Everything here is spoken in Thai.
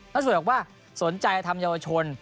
น่าช่วยบอกว่าสนใจอธัมยาวชน